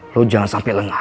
lo jangan sampai lengah